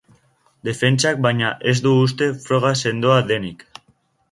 Defentsak, baina, ez du uste froga sendoa denik.